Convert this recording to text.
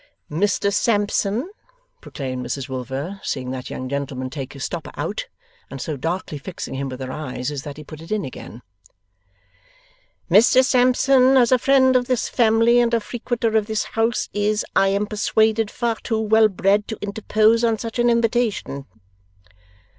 'Mr Sampson,' proclaimed Mrs Wilfer, seeing that young gentleman take his stopper out, and so darkly fixing him with her eyes as that he put it in again: 'Mr Sampson, as a friend of this family and a frequenter of this house, is, I am persuaded, far too well bred to interpose on such an invitation.